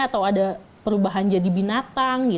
atau ada perubahan jadi binatang